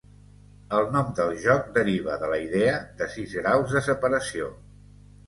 El nom del joc deriva de la idea de sis graus de separació.